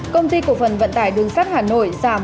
công ty cổ phần vận tải đường sắt hà nội giảm